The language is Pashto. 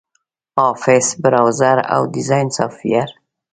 آفس، براوزر، او ډیزاین سافټویر